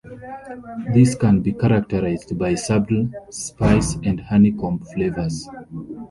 These can be characterised by subtle spice and honeycomb flavours.